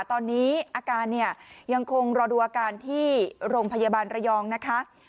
ตอนนี้อาการเนี่ยยังคงรอดูอาการที่โรงพยาบาลระยองนะคะ